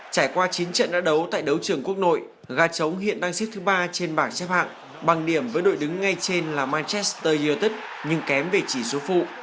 trải qua chín trận đã đấu tại đấu trường quốc nội gà trống hiện đang xếp thứ ba trên bảng xếp hạng bằng điểm với đội đứng ngay trên là manchester youtube nhưng kém về chỉ số phụ